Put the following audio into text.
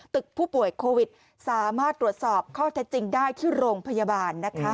ผู้ป่วยโควิดสามารถตรวจสอบข้อเท็จจริงได้ที่โรงพยาบาลนะคะ